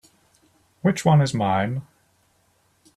Which one is mine?